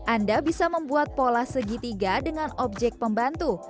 anda bisa membuat pola segitiga dengan objek pembantu